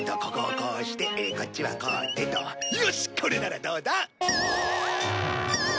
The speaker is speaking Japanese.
これならどうだ？